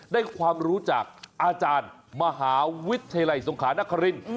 ได้ความรู้จากอาจารย์มหาวิทยาลัยสงขานคริน